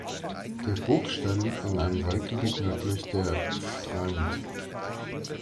Der Burgstall liegt in einem Waldgebiet nördlich der Pfreimd.